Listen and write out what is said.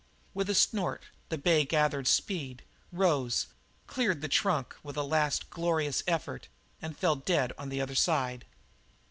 With a snort the bay gathered speed, rose, cleared the trunk with a last glorious effort, and fell dead on the other side.